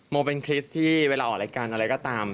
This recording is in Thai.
เป็นคริสต์ที่เวลาออกรายการอะไรก็ตาม